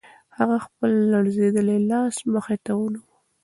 هغه خپل لړزېدلی لاس مخې ته ونیو.